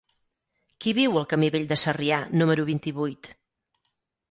Qui viu al camí Vell de Sarrià número vint-i-vuit?